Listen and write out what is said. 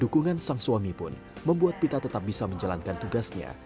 dukungan sang suami pun membuat pita tetap bisa menjalankan tugasnya